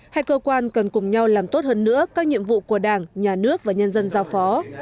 hai cơ quan cần cùng nhau làm tốt hơn nữa các nhiệm vụ của đảng nhà nước và nhân dân giao phó